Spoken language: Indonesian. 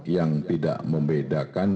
yang tidak membedakan